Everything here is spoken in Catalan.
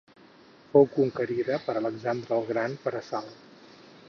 Fou conquerida per Alexandre el Gran per assalt.